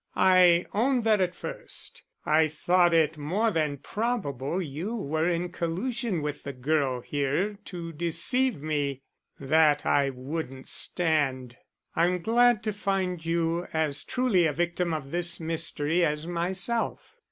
I own that at first I thought it more than probable you were in collusion with the girl here to deceive me. That I wouldn't stand. I'm glad to find you as truly a victim of this mystery as myself."